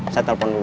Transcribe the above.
saya telpon dulu